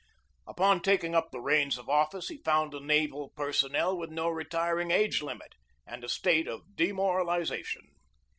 Upon taking up the reins of office he found a naval personnel with no retiring age limit; and a state of demoralization.